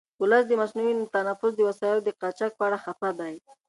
ولس د مصنوعي تنفس د وسایلو د قاچاق په اړه خفه دی.